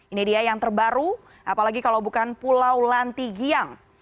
ini dia yang terbaru apalagi kalau bukan pulau lantigiang